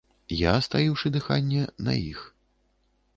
Я, стаіўшы дыханне, на іх.